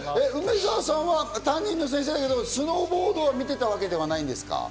梅沢さんは担任の先生だけどスノーボードを見ていたわけではないんですか？